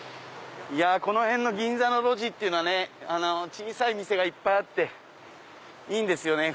この辺の銀座の路地っていうのはね小さい店がいっぱいあっていいんですよね